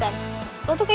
udah aku tahu